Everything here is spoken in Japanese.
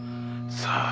さあ。